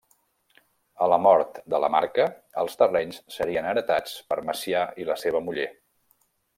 A la mort de Lamarca, els terrenys serien heretats per Macià i la seua muller.